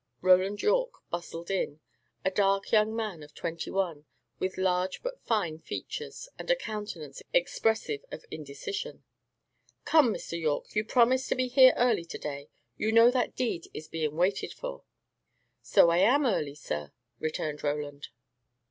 Roland Yorke bustled in; a dark young man of twenty one, with large but fine features, and a countenance expressive of indecision. "Come, Mr. Yorke, you promised to be here early to day. You know that deed is being waited for." "So I am early, sir," returned Roland.